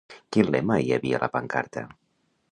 Quin lema hi havia a la pancarta?